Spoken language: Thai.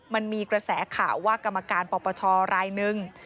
มันมีกระแสข่าวว่ากรรมการประชาอะไรหนึ่ง